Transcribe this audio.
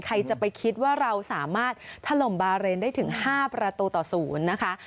ใครจะไปคิดว่าเราสามารถถล่มบาเรนได้ถึง๕ประตูต่อ๐นะคะ